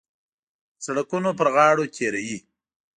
د سړکونو پر غاړو تېروي.